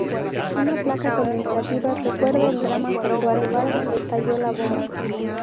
Una placa conmemorativa recuerda el drama junto al lugar donde estalló la bomba.